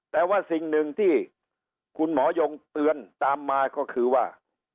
แต่ว่าสิ่งหนึ่งที่คุณหมอยงเตือนตามมาก็คือว่า